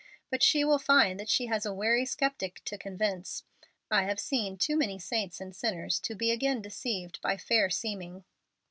But she will find that she has a wary sceptic to convince. I have seen too many saints and sinners to be again deceived by fair seeming."